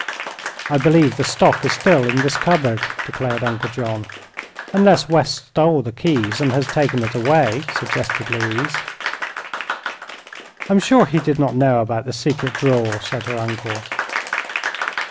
"I believe the stock is still in this cupboard," declared Uncle John. "Unless West stole the keys and has taken it away," suggested Louise. "I'm sure he did not know about the secret drawer," said her uncle.